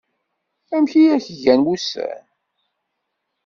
Amek i ak-gan wussan.